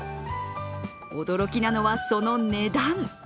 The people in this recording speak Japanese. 驚きなのは、その値段。